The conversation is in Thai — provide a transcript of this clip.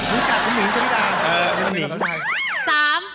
รู้จักคุณหิงชะลิดา